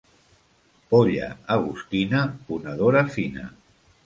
Polla agostina, ponedora fina.